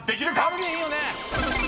あれでいいよね？